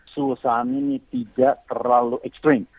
sulsaan ini tidak terlalu ekstrim